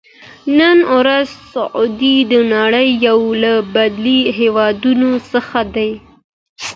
نن ورځ سعودي د نړۍ یو له بډایه هېوادونو څخه دی.